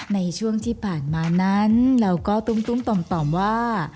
ในช่วงที่ผ่านมานั้นเราก็ตุ้มต่อมว่า